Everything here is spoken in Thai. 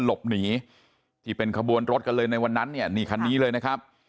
หลบหนีที่เป็นขบวนรถกันเลยในวันนั้นเนี่ยนี่คันนี้เลยนะครับ